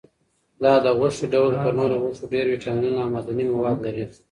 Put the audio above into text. دا د غوښې ډول تر نورو غوښو ډېر ویټامینونه او معدني مواد لري.